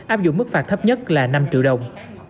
áp dụng mức phạt thấp nhất là năm triệu đồng